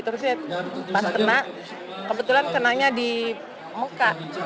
terus ya pas kena kebetulan kenanya di muka